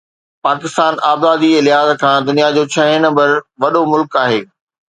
پاڪستان آبادي جي لحاظ کان دنيا جو ڇهين نمبر وڏو ملڪ آهي